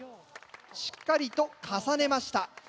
しっかりと重ねました。